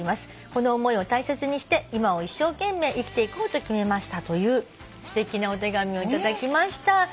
この思いを大切にして今を一生懸命生きていこうと決めました」というすてきなお手紙を頂きました。